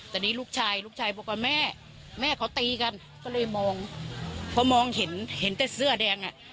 แต่นี่ลูกชายลูกชายบอกว่าแม่แม่เขาตีกันก็เลยมองเพราะมองเห็นเห็นแต่เสื้อแดงอ่ะ